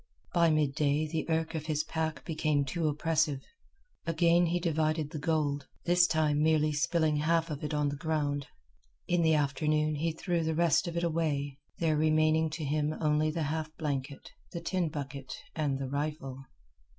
By midday the irk of his pack became too oppressive. Again he divided the gold, this time merely spilling half of it on the ground. In the afternoon he threw the rest of it away, there remaining to him only the half blanket, the tin bucket, and the rifle.